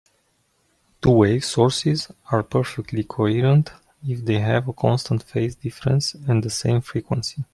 Two-wave sources are perfectly coherent if they have a constant phase difference and the same frequency.